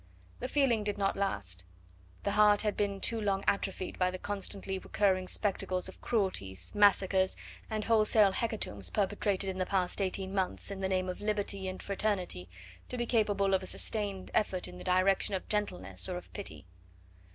The feeling did not last the heart had been too long atrophied by the constantly recurring spectacles of cruelties, massacres, and wholesale hecatombs perpetrated in the past eighteen months in the name of liberty and fraternity to be capable of a sustained effort in the direction of gentleness or of pity.